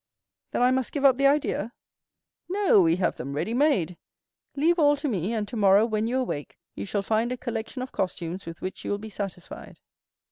"Then I must give up the idea?" "No; we have them ready made. Leave all to me; and tomorrow, when you awake, you shall find a collection of costumes with which you will be satisfied."